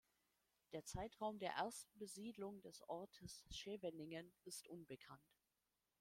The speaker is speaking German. Der Zeitraum der ersten Besiedlung des Ortes "Scheveningen" ist unbekannt.